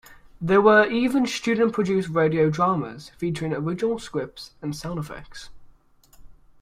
There were even student-produced radio dramas featuring original scripts and sound effects.